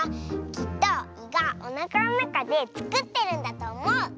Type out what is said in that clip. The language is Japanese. きっと「い」がおなかのなかでつくってるんだとおもう！